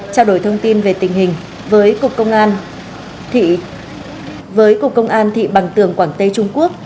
trao đổi thông tin về tình hình với cục công an thị bằng tường quảng tây trung quốc